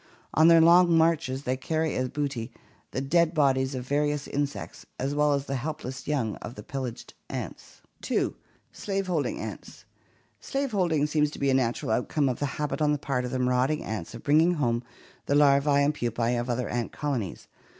On their long marches they carry as booty the dead bodies of various insects as well as the helpless young of the pillaged ants. 2. Slave holding ants. Slave holding seems to be a natural outcome of the habit on the part of the marauding ants of bringing home the larvae and pupae of other ant colonies.